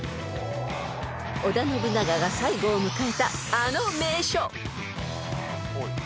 ［織田信長が最期を迎えたあの名所］